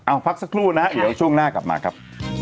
เอาพักสักครู่นะเดี๋ยวช่วงหน้ากลับมาครับ